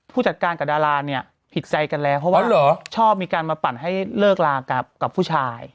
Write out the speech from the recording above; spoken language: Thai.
ผู้จัดการกับดาราเนี่ยผิดใจกันแล้วเพราะว่าชอบมีการมาปั่นให้เลิกลากับผู้ชาย